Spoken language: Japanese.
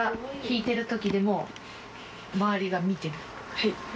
はい。